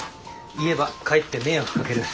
言えばかえって迷惑かける。